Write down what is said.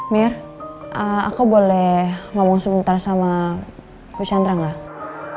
mir aku boleh ngomong sebentar sama ibu chandra gak